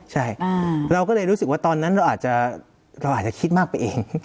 ใช่เราก็เลยรู้สึกว่าตอนนั้นเราอาจจะเราอาจจะคิดมากไปเอง